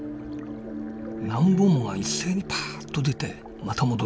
何本もが一斉にぱっと出てまた戻る。